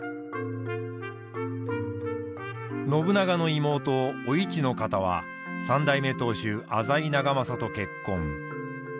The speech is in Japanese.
信長の妹お市の方は３代目当主浅井長政と結婚。